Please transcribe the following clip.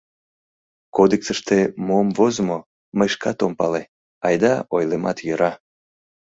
Кодексыште мом возымо, мый шкат ом пале, айда, ойлемат йӧра.